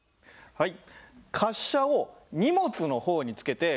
はい。